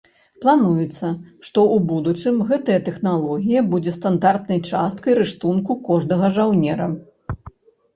Плануецца, што ў будучым гэтая тэхналогія будзе стандартнай часткай рыштунку кожнага жаўнера.